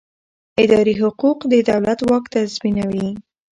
اداري حقوق د دولت واک تنظیموي.